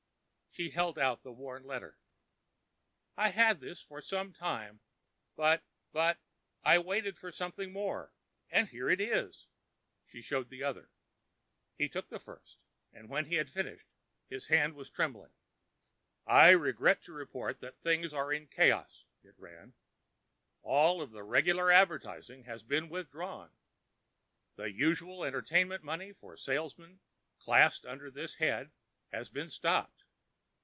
She held out the worn letter. "I've had this for some time—but—but I waited for something more, and here it is." She showed the other. He took the first, and when he had finished, his hand was trembling. "I regret to report that things are in a chaos," it ran. "All of the regular advertising has been withdrawn. The usual entertainment money for salesmen classed under this head has been stopped.